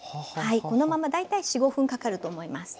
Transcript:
このまま大体４５分かかると思います。